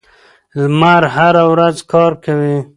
لمر هره ورځ کار کوي.